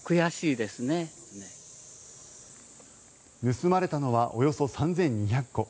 盗まれたのはおよそ３２００個。